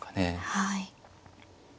はい。